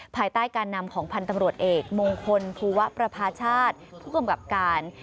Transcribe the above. ภายใต้การนำของพันธ์ตำรวจเอกมงคลภูวะประพาชาติผู้กำกับการ